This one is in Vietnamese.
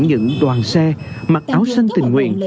những đoàn xe mặc áo xanh tình nguyện